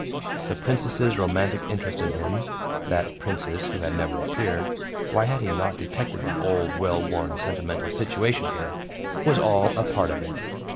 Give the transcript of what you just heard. The Princess's romantic interest in him that Princess who had never appeared (why had he not detected the old, well worn, sentimental situation here?) was all a part of it.